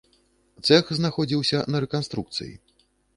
Цэх знаходзіўся на рэканструкцыі.